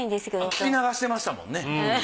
聞き流してましたもんね。